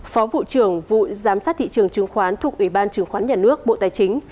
phó vụ trưởng vụ giám sát thị trường chứng khoán thuộc ủy ban chứng khoán nhà nước bộ tài chính